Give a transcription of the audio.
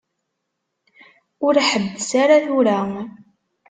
Ur ḥebbes ara tura.